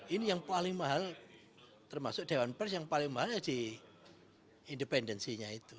ini yang paling mahal termasuk dewan pers yang paling mahal di independensinya itu